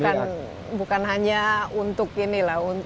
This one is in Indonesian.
dan bukan hanya untuk ini lah